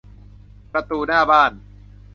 ประตูหน้าบ้าน